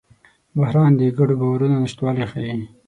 بحران د ګډو باورونو نشتوالی ښيي.